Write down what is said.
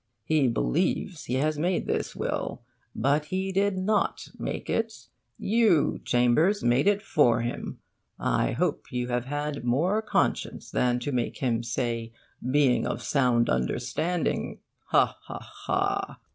He believes he has made this will; but he did not make it; you, Chambers, made it for him. I hope you have had more conscience than to make him say "being of sound understanding!" ha, ha, ha!